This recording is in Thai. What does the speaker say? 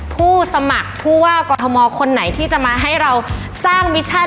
ผู้สมัครผู้ว่ากรทมคนไหนที่จะมาให้เราสร้างมิชชั่น